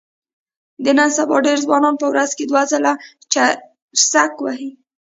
د نن سبا ډېری ځوانان په ورځ دوه ځله چرسک وهي.